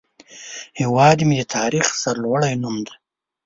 هیواد مې د تاریخ سرلوړی نوم دی